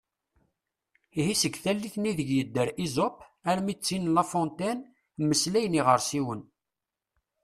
Ihi seg tallit-nni ideg yedder Esope armi d tin n La Fontaine “mmeslayen iɣersiwen”.